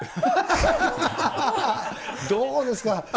どうですか？